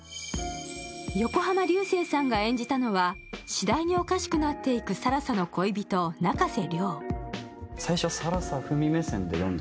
横浜流星さんが演じたのは、次第におかしくなっていく更紗の恋人、中瀬亮。